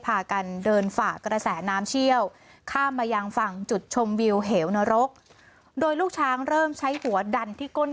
พากันเดินฝ่ากระแสน้ำเชี่ยวข้ามมายังฝั่งจุดชมวิวเหวนรกโดยลูกช้างเริ่มใช้หัวดันที่ก้น